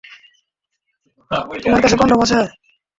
তোমার কাছে কনডম আছে।